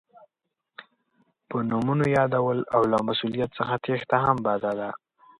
په نومونو یادول او له مسؤلیت څخه تېښته هم بده ده.